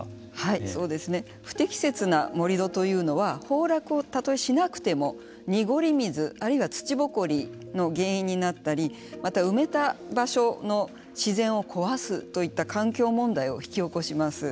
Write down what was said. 不適切な盛り土というのは崩落をたとえしなくても濁り水あるいは土ぼこりの原因になったり埋めた場所の自然を壊すといった環境問題を引き起こします。